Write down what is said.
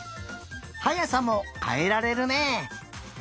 はやさもかえられるね。